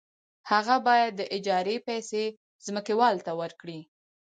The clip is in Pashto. هغه باید د اجارې پیسې ځمکوال ته ورکړي